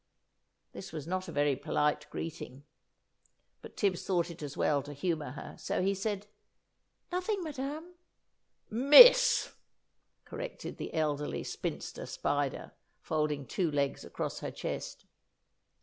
This was not a very polite greeting, but Tibbs thought it as well to humour her, so he said "Nothing, Madame " "Miss!" corrected the Elderly Spinster Spider, folding two legs across her chest.